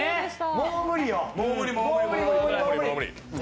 もう無理よ。